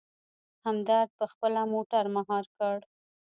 همدرد په خپله موټر مهار کړ.